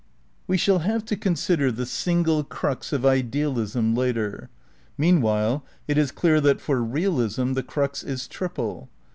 We shall have to consider the single crux of idealism later.^ Meanwhile it is clear that for realism the crux is triple.